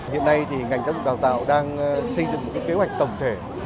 hiện nay thì ngành giáo dục đào tạo đang xây dựng kế hoạch tổng thể